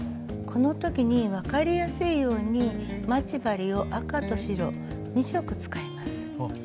この時に分かりやすいように待ち針を赤と白２色使います。